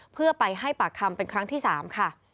เพื่อไปให้ปากคำเป็นครั้งที่๓ค่ะ